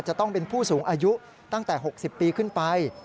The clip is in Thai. จะต้องเป็นผู้สูงอายุตั้งแต่๖๐ปีขึ้นไป